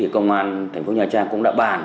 công an thành phố nha trang cũng đã bàn